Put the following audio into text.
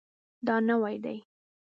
دا نوی دی